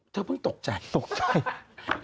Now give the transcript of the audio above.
เธอเพิ่งตกใจตกใจ